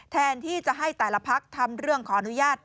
แทนที่จะให้แต่ละพักทำเรื่องขออนุญาต